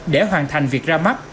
để hoàn thành việc ra mắt